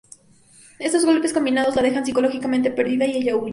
Estos golpes combinados la dejan psicológicamente perdida, y ella huye.